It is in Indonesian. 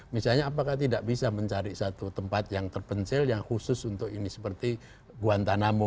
misalnya apakah tidak bisa mencari satu tempat yang terpencil yang khusus untuk ini seperti guantanamo